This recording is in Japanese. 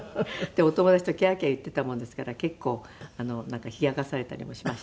お友達とキャーキャー言っていたもんですから結構冷やかされたりもしました。